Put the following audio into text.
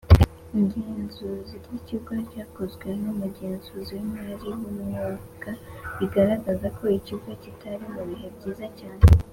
igenzura ry’ ikigo ryakozwe n’umugenzuzi w’Imari w’umwuga rigaragaza ko ikigo kitari mubihe byiza cyane.